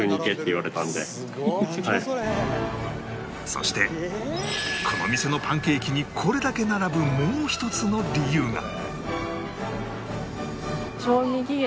そしてこの店のパンケーキにこれだけ並ぶもう一つの理由が